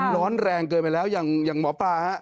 ร้อนแรงเกินไปแล้วอย่างหมอปลาฮะ